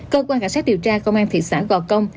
cơ quan cảnh sát điều tra công an thị xã gò công